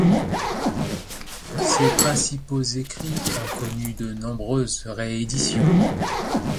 Ses principaux écrits ont connu de nombreuses rééditions.